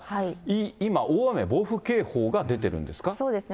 今、大雨暴風警報が出てるんですそうですね。